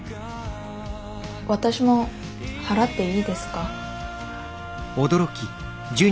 私も払っていいですか？